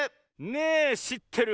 「ねぇしってる？」